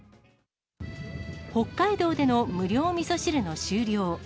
北海道での無料みそ汁の終了。